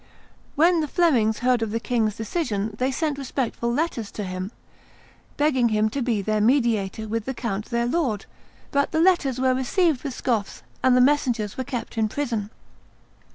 '" When the Flemings heard of the king's decision they sent respectful letters to him, begging him to be their mediator with the count their lord; but the letters were received with scoffs, and the messengers were kept in prison.